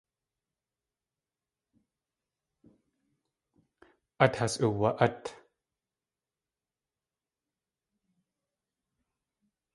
Át has uwa.át.